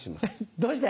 どうして？